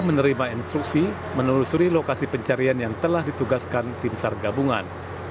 menerima instruksi menelusuri lokasi pencarian yang telah ditugaskan tim sargabungan